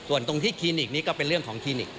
ส่วนตรงที่คลินิกนี้ก็เป็นเรื่องของคลินิก